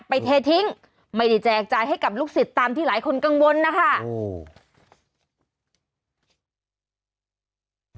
เททิ้งไม่ได้แจกจ่ายให้กับลูกศิษย์ตามที่หลายคนกังวลนะคะ